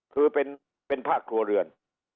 คือเป็นภาคครัวเรือน